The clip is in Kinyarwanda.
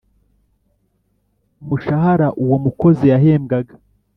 K umushahara uwo mukozi yahembwaga